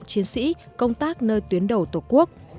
chiến sĩ công tác nơi tuyến đầu tổ quốc